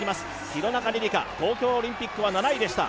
廣中璃梨佳、東京オリンピックは７位でした。